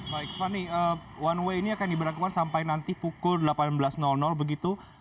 baik fani one way ini akan diberlakukan sampai nanti pukul delapan belas begitu